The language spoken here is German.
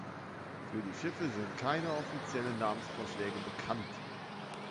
Für die Schiffe sind keine offiziellen Namensvorschläge bekannt.